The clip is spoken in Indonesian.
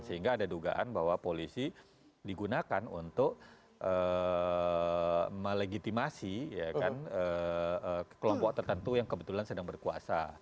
sehingga ada dugaan bahwa polisi digunakan untuk melegitimasi kelompok tertentu yang kebetulan sedang berkuasa